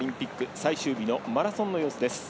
最終日マラソンの様子です。